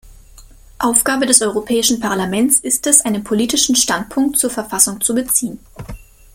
Aufgabe des Europäischen Parlaments ist es, einen politischen Standpunkt zur Verfassung zu beziehen.